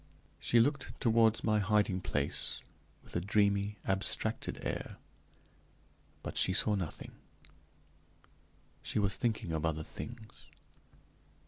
She looked toward my hiding place with a dreamy, abstracted air, but she saw nothing; she was thinking of other things.